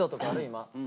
今。